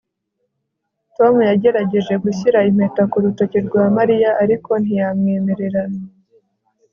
tom yagerageje gushyira impeta ku rutoki rwa mariya, ariko ntiyamwemerera